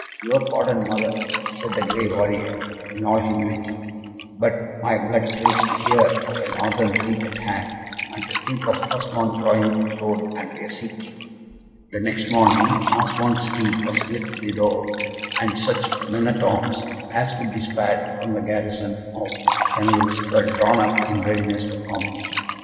"Your pardon, mother," said the grey warrior, in all humility, "but my blood thrills to hear of a Northern fleet at hand, and to think of Osmond drawing sword under a Sea King." The next morning, Osmond's steed was led to the door, and such men at arms as could be spared from the garrison of Senlis were drawn up in readiness to accompany him.